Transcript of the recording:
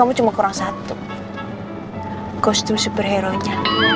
necesit jangan terus go imply